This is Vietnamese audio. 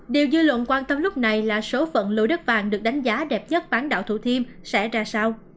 điều dư luận quan tâm lúc này là số phận lôi đất vàng được đánh giá đẹp nhất bán đảo thủ thiêm sẽ ra sao